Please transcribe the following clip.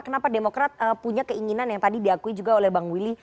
kenapa demokrat punya keinginan yang tadi diakui juga oleh bang willy